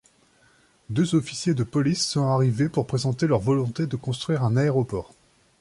Deux officiers de police sont arrivés pour présenter leur volonté de construire un aéroport.